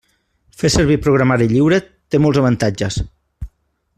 Fer servir programari lliure té molts avantatges.